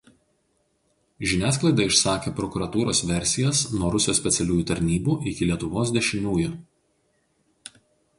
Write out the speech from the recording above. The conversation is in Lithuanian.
Žiniasklaida išsakė prokuratūros versijas nuo Rusijos specialiųjų tarnybų iki Lietuvos dešiniųjų.